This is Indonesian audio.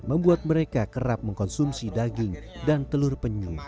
membuat mereka kerap mengkonsumsi daging dan telur penyuh